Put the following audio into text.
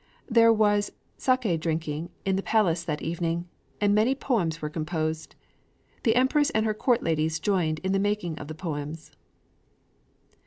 There was saké drinking in the palace that evening; and many poems were composed. The Empress and her court ladies joined in the making of the poems."